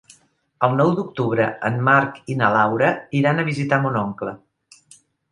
El nou d'octubre en Marc i na Laura iran a visitar mon oncle.